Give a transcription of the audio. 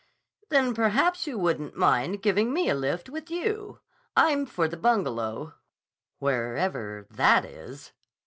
"Then perhaps you wouldn't mind giving me a lift with you. I'm for the Bungalow, wherever that is."